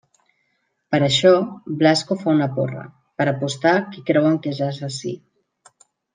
Per això, Blasco fa una porra, per apostar qui creuen que és l'assassí.